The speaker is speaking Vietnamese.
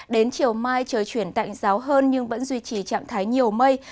đến chiều mai trời chuyển tạnh giáo hơn nhưng vẫn duy trì trạng thái nhiều mây